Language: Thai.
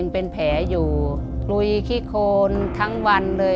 เป็นแผลอยู่กลุยขี้โคนทั้งวันเลย